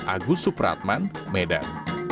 agus supratman medan